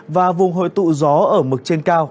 và vùng hội tụ gió ở mực trên cao